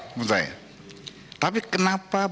menurut saya tapi kenapa